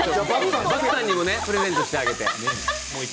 バクさんにプレゼントしてあげて。